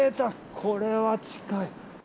これは近い。